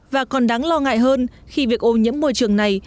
và còn đáng lo ngại hơn khi việc ô nhiễm môi trường này